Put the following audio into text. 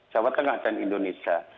jawa tengah dan indonesia